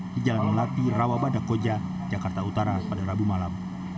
di jalan melati rawabadak koja jakarta utara pada rabu malam